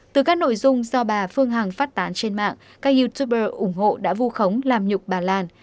từ các nội dung do bà phương hằng phát tán trên mạng các youtuber ủng hộ đã vu khống làm nhục bà lan